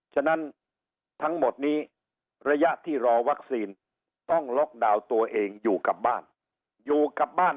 ฉะนั้นทั้งหมดนี้ระยะที่รอวัคซีนต้องล็อกดาวน์ตัวเองอยู่กับบ้านอยู่กับบ้าน